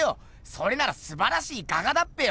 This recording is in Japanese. それならすばらしい画家だっぺよ！